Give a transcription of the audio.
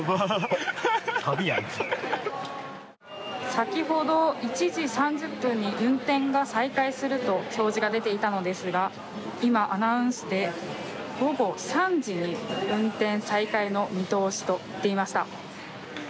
先ほど１時３０分に運転が再開すると表示が出ていたのですが今、アナウンスで午後３時に運転再開の見通しと言っていました。